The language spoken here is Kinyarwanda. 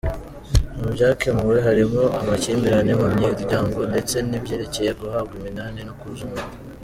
Mu byakemuwe harimo amakimbirane mu miryango ndetse n’ibyerekeye guhabwa iminani no kuzungura.